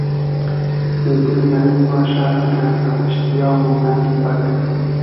دیل مئریز باشۂ ائگئر از ایشتیا مومنۂ کی پئگ